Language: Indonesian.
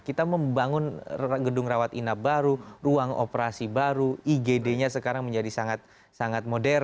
kita membangun gedung rawat inap baru ruang operasi baru igd nya sekarang menjadi sangat modern